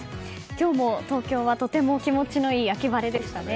今日も東京はとても気持ちのいい秋晴れでしたね。